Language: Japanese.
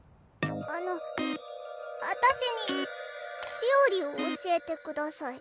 あの私に料理を教えてください。